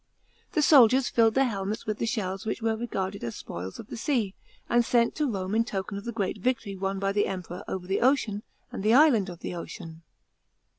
The soldiers filled their helmets with the shells, which were regarded as spoils of the sea, and sent to Kome in token of the great victory won by the Emperor over the ocean and the island of the ocean.